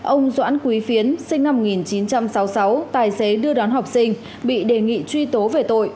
ông doãn quý phiến sinh năm một nghìn chín trăm sáu mươi sáu tài xế đưa đón học sinh bị đề nghị truy tố về tội